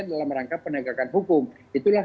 dalam rangka penegakan hukum itulah